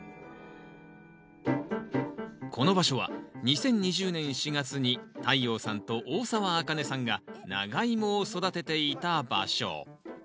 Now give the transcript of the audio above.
この場所は２０２０年４月に太陽さんと大沢あかねさんがナガイモを育てていた場所。